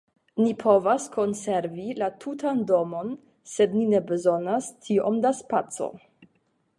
Ni povas konservi la tutan domon, sed ni ne bezonas tiom da spaco.